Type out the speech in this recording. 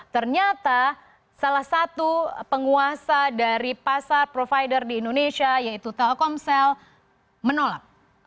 ternyata salah satu penguasa dari pasar provider di indonesia yaitu telkomsel menolak